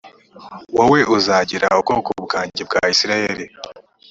wowe uzagira ubwoko bwanjye bwa isirayeli